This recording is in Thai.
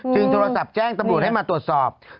โทรศัพท์แจ้งตำรวจให้มาตรวจสอบ